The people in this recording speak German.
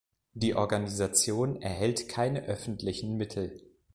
Die Organisation erhält keine öffentlichen Mittel.